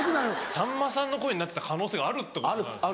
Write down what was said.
さんまさんの声になってた可能性があるってことなんですね。